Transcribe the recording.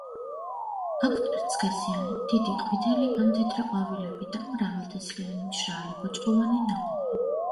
აქვთ ერთსქესიანი, დიდი ყვითელი ან თეთრი ყვავილები და მრავალთესლიანი, მშრალი, ბოჭკოვანი ნაყოფი.